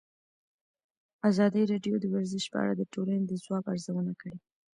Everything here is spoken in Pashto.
ازادي راډیو د ورزش په اړه د ټولنې د ځواب ارزونه کړې.